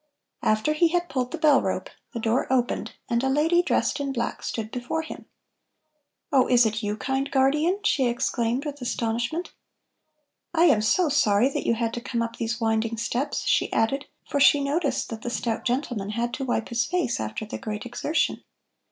After he had pulled the bell rope, the door opened, and a lady dressed in black stood before him. "Oh, is it you, kind guardian?" she exclaimed with astonishment. "I am so sorry that you had to come up these winding steps," she added, for she noticed that the stout gentleman had to wipe his face after the great exertion.